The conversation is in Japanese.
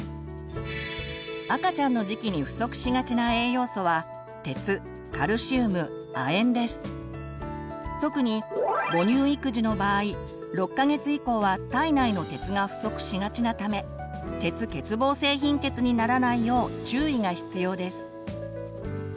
赤ちゃんの時期に不足しがちな栄養素は特に母乳育児の場合６か月以降は体内の鉄が不足しがちなため鉄欠乏性貧血にならないよう注意が必要です。